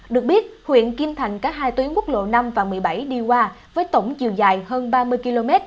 được biết huyện kim thành có hai tuyến quốc lộ năm và một mươi bảy đi qua với tổng chiều dài hơn ba mươi km